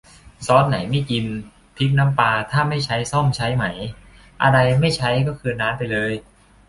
ซอสไหนไม่กิน พริกน้ำปลาถ้าไม่ใช้ ส้อมใช้ไหม อะไรไม่ใช้ก็คืนร้านไปเลย